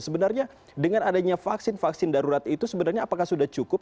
sebenarnya dengan adanya vaksin vaksin darurat itu sebenarnya apakah sudah cukup